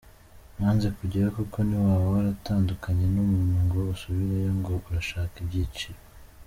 Nanze kujyayo kuko ntiwaba waratandukanye n’umuntu ngo usubireyo ngo urashaka ibyiciro.